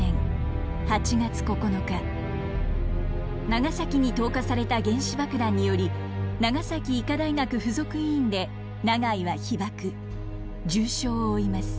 長崎に投下された原子爆弾により長崎医科大学附属医院で永井は被爆重傷を負います。